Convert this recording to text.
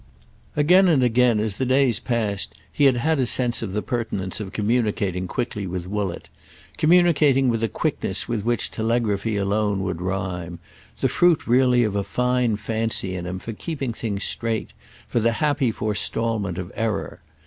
Again and again as the days passed he had had a sense of the pertinence of communicating quickly with Woollett—communicating with a quickness with which telegraphy alone would rhyme; the fruit really of a fine fancy in him for keeping things straight, for the happy forestalment of error.